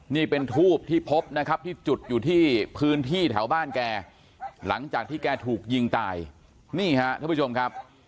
นี่เป็นทูบที่พบนะครับที่จุดอยู่ที่พื้นที่แถวบ้านแกหลังจากที่แกถูกยิงตายนี่ฮะท่านผู้ชมครับ